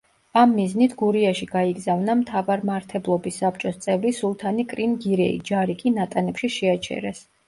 ამ მიზნით გურიაში გაიგზავნა მთავარმართებლობის საბჭოს წევრი სულთანი კრიმ-გირეი, ჯარი კი ნატანებში შეაჩერეს.